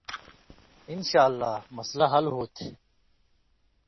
انشاءاللہ مسئلہ حل ہو تھی۔